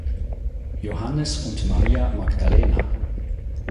Johannes und Maria Magdalena.